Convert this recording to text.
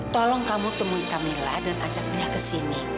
tolong kamu temui camilla dan ajak dia ke sini